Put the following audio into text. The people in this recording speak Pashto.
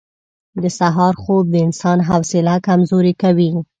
• د سهار خوب د انسان حوصله کمزورې کوي.